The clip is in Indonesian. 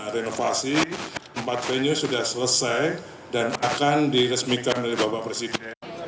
renovasi empat venue sudah selesai dan akan diresmikan oleh bapak presiden